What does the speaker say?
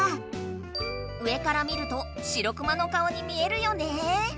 上から見るとしろくまの顔に見えるよね。